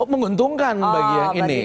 menguntungkan bagi yang ini